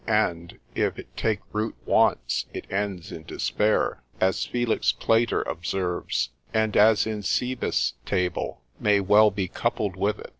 5, And if it take root once, it ends in despair, as Felix Plater observes, and as in Cebes' table, may well be coupled with it.